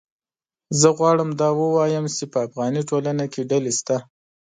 زه غواړم دا ووایم چې په افغاني ټولنه کې ډلې شته